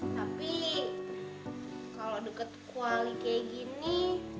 tapi kalo deket kuali kayak gini